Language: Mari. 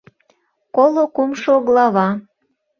Коло кумшо глава